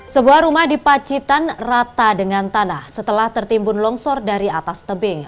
sebuah rumah di pacitan rata dengan tanah setelah tertimbun longsor dari atas tebing